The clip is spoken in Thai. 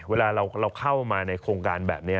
เวลาเราเข้ามาในโครงการแบบนี้